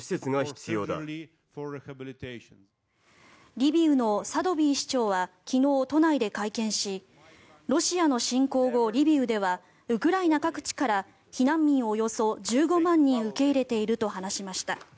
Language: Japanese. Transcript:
リビウのサドビー市長は昨日都内で会見しロシアの侵攻後、リビウではウクライナ各地から避難民をおよそ１５万人受け入れていると話しました。